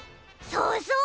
そうそう！